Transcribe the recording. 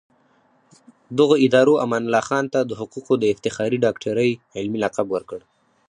دغو ادارو امان الله خان ته د حقوقو د افتخاري ډاکټرۍ علمي لقب ورکړ.